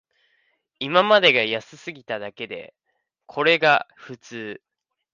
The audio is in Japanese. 今までが安すぎただけで、これが普通